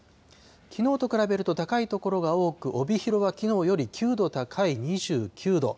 きのうと比べると高い所が多く、帯広はきのうより９度高い２９度。